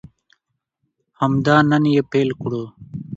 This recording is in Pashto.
همدا نن یې پیل کړو.